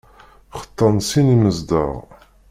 Xeṭṭan sin imezdaɣ.